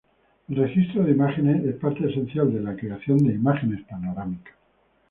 El registro de imágenes es parte esencial de la creación de imágenes panorámicas.